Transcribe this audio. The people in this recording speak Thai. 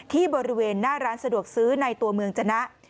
ที่บริเวณหน้าร้านสะดวกซื้อในตัวเมืองจนะ